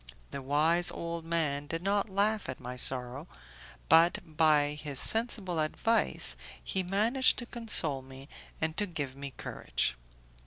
The wise old man did not laugh at my sorrow, but by his sensible advice he managed to console me and to give me courage.